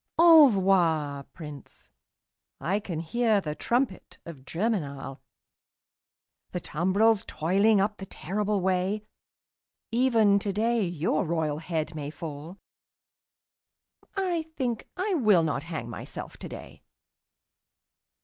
Envoi Prince, I can hear the trumpet of Germinal, The tumbrils toiling up the terrible way; Even today your royal head may fall I think I will not hang myself today.